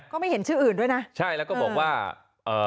ไม่เห็นชื่ออื่นด้วยนะใช่แล้วก็บอกว่าเอ่อ